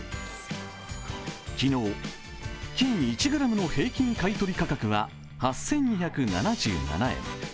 昨日、金１ｇの平均買い取り価格は８２７７円。